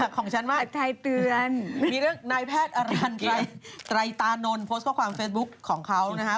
อ้ะของฉันมีเรื่องนายแพทย์อรันไตรานนโพสต์ข้อความเฟสบุ๊กของเขานะครับ